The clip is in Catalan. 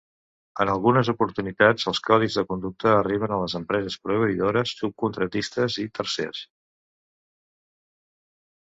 En algunes oportunitats els codis de conducta arriben a les empreses proveïdores, subcontractistes i tercers.